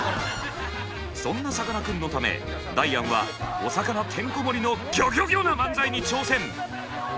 そんなさかなクンのためダイアンはお魚てんこ盛りのギョギョギョ！な漫才に挑戦。